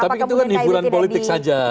tapi itu kan hiburan politik saja